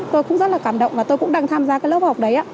tôi cũng rất là cảm động và tôi cũng đang tham gia cái lớp học đấy ạ